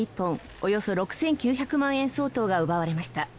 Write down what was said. およそ６９００万円相当が奪われました。